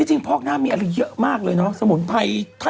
จริงพอกหน้ามีอะไรเยอะมากเลยเนาะสมุนไทยอย่างพอกหน้า